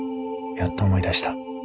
やっと思い出した。